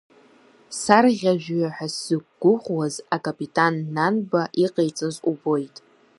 Сарӷьа жәҩа ҳәа сзықәгәыӷуаз акапитан Нанба иҟаиҵаз убоит.